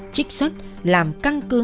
chích xuất làm căn cứ